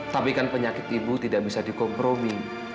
tapi kan penyakit ibu tidak bisa dikompromi